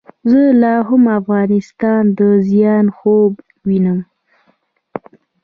زه لا هم د افغانستان د زیان خوب وینم.